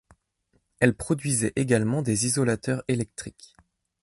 Elle produisait également des isolateurs électriques.